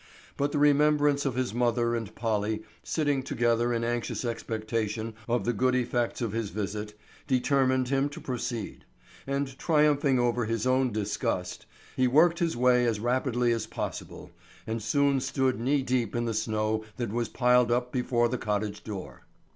But the remembrance of his mother and Polly, sitting together in anxious expectation of the good effects of his visit, determined him to proceed; and triumphing over his own disgust, he worked his way as rapidly as possible, and soon stood knee deep in the snow that was piled up before the cottage door.